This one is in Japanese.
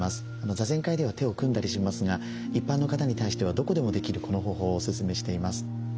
座禅会では手を組んだりしますが一般の方に対してはどこでもできるこの方法をおすすめしています。